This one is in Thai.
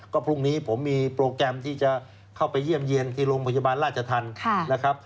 ก็พรุ่งนี้ผมมีโปรแกรมที่จะเข้าไปเยี่ยมเยี่ยนที่โรงพยาบาลราชธรรมนะครับ